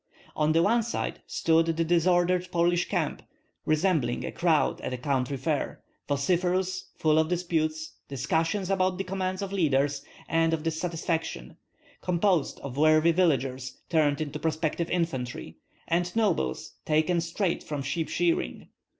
On one side stood the disordered Polish camp, resembling a crowd at a country fair, vociferous, full of disputes, discussions about the commands of leaders, and of dissatisfaction; composed of worthy villagers turned into prospective infantry, and nobles taken straight from sheep shearing.